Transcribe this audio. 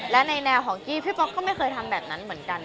และในแนวของกี้พี่ป๊อกก็ไม่เคยทำแบบนั้นเหมือนกัน